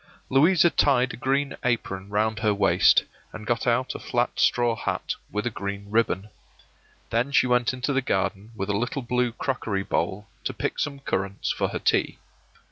Louisa tied a green apron round her waist, and got out a flat straw hat with a green ribbon. Then she went into the garden with a little blue crockery bowl, to pick some currants for her tea.